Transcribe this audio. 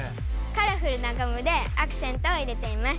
カラフルなゴムでアクセントを入れています。